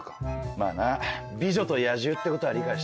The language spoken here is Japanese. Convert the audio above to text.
まぁな美女と野獣ってことは理解してるよ。